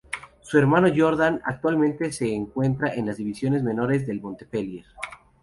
Su hermano Jordan actualmente se encuentra en la divisiones menores del Montpellier.